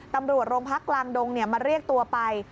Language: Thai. ตำรวจโรงพักกลางดงมาเรียกตัวไป